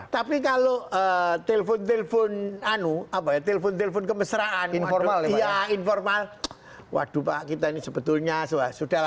tapi kalau telpon telpon kemesraan informal waduh pak kita ini sebetulnya sudah lah tidak usah